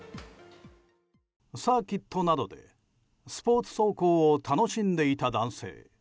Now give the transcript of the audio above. サーキットなどでスポーツ走行を楽しんでいた男性。